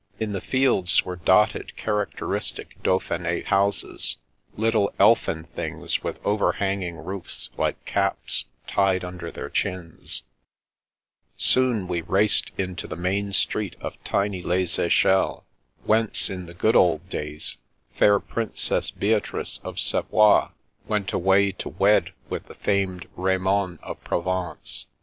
In the fields were dotted characteristic Dauphine houses, little elfin things with overhanging roofs like caps tied under their chins. 336 The Princess Passes Soon, we raced into the main street of tiny Les Echelles, whence, in the good old days, fair Princess Beatrice of Savoie went away to wed with the famed Raymond of Provence.